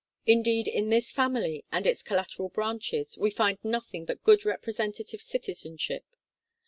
Indeed, in this family and its collateral branches, we find nothing but good representative citi zenship.